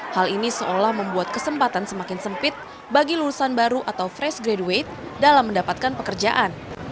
hal ini seolah membuat kesempatan semakin sempit bagi lulusan baru atau fresh graduate dalam mendapatkan pekerjaan